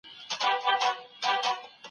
په علمي مرکزونو کي تجربې ترسره کېږي.